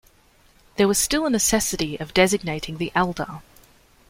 There was still a necessity of designating the elder.